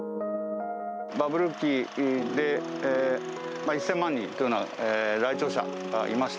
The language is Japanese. バブル期で１０００万人という来町者がいました。